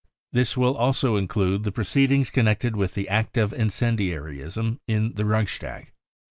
This will also include the proceedings connected with the act of incendiarism in the Reichstag.